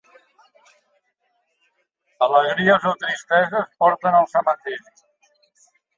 Alegries o tristeses porten al cementiri.